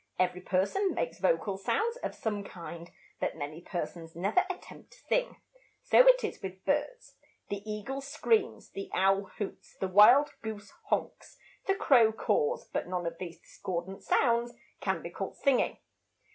Every person makes vocal sounds of some kind, but many persons never attempt to sing. So it is with birds. The eagle screams, the owl hoots, the wild goose honks, the crow caws, but none of these discordant sounds can be called singing.